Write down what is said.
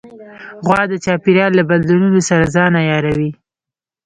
غوا د چاپېریال له بدلونونو سره ځان عیاروي.